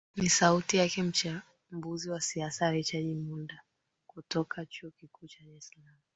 ni sauti yake mchambuzi wa siasa richard mbunda kutoka chuo kikuu cha dar salaam